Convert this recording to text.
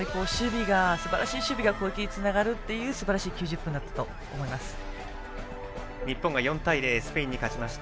すばらしい守備が攻撃につながるというすばらしい９０分だったと日本が４対０でスペインに勝ちました。